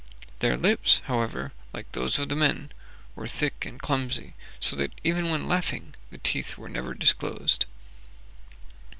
Their lips, however, like those of the men, were thick and clumsy, so that, even when laughing, the teeth were never disclosed.